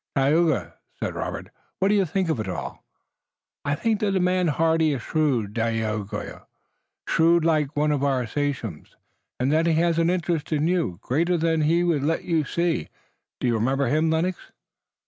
"Tayoga," said Robert, "what do you think of it all?" "I think that the man Hardy is shrewd, Dagaeoga, shrewd like one of our sachems, and that he has an interest in you, greater than he would let you see. Do you remember him, Lennox?"